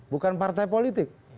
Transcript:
bukan partai politik